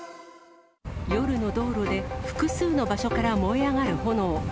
夜の道路で複数の場所から燃え上がる炎。